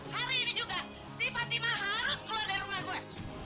hari ini juga si fatima harus keluar dari rumah gue